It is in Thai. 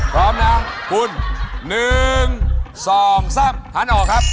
พร้อมนะคุณ๑๒๓หันออกครับ